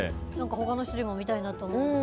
他の種類も見たいなと思った。